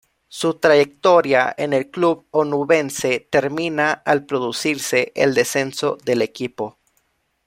Su trayectoria en el club onubense termina al producirse el descenso del equipo.